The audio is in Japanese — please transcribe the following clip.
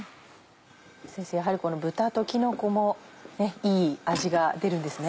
先生やはり豚ときのこもいい味が出るんですね？